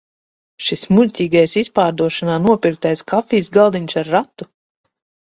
Šis muļķīgais izpārdošanā nopirktais kafijas galdiņš ar ratu!